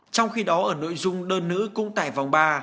trong khi đó ở nội dung đơn nữ cũng tải vòng ba